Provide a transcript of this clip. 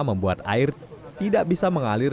membuat air tidak bisa mengalir